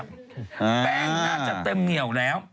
แป้งน่าจะเต็มเหนียวแล้ว